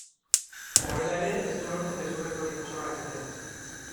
Horrela ere ez du lortzen gezurrezkoari mozorroa kentzea.